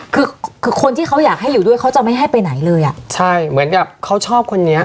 คือคือคนที่เขาอยากให้อยู่ด้วยเขาจะไม่ให้ไปไหนเลยอ่ะใช่เหมือนกับเขาชอบคนนี้